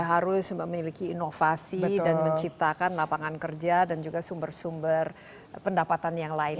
harus memiliki inovasi dan menciptakan lapangan kerja dan juga sumber sumber pendapatan yang lain